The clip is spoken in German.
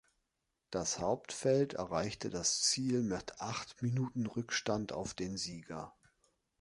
Das Hauptfeld erreichte das Ziel mit acht Minuten Rückstand auf den Sieger.